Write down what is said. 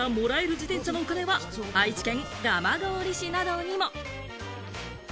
自転車のお金は愛知県蒲郡市などにも。